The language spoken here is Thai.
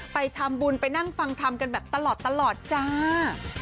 ไปทำบุญไปนั่งฟังทำกันแบบตลอดจ้า